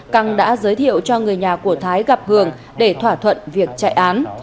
căng đã giới thiệu cho người nhà của thái gặp hường để thỏa thuận việc chạy án